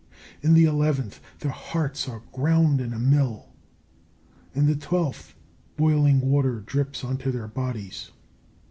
In the eleventh, their hearts are ground in a mill. In the twelfth, boiling water drips on to their bodies.